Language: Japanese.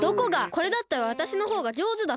これだったらわたしのほうがじょうずだって！